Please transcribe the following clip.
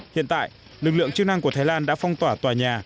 hiện tại lực lượng chức năng của thái lan đã phong tỏa tòa nhà